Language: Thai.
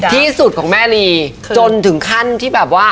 ที่สุดของแม่ลีจนถึงขั้นที่แบบว่า